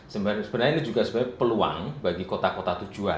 sebenarnya ini juga sebagai peluang bagi kota kota besar